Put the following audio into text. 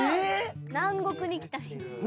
南国に来た。